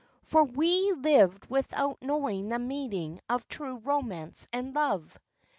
For we lived without knowing the meaning of true romance and love.